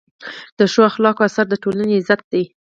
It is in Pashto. د ښو اخلاقو اثر د ټولنې عزت دی.